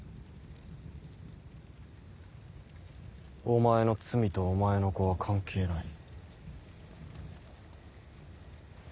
お前の罪とお前の子は関係ない。